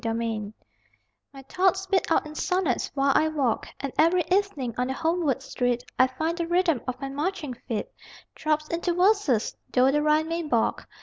PEDOMETER My thoughts beat out in sonnets while I walk, And every evening on the homeward street I find the rhythm of my marching feet Throbs into verses (though the rhyme may balk).